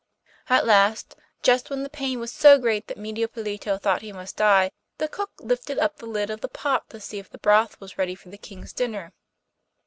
At last, just when the pain was so great that Medio Pollito thought he must die, the cook lifted up the lid of the pot to see if the broth was ready for the King's dinner.